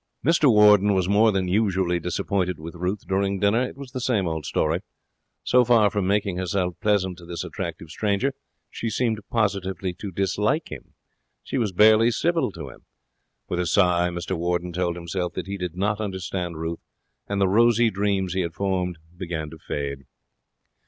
Mr Warden was more than usually disappointed with Ruth during dinner. It was the same old story. So far from making herself pleasant to this attractive stranger, she seemed positively to dislike him. She was barely civil to him. With a sigh Mr Warden told himself that he did not understand Ruth, and the rosy dreams he had formed began to fade.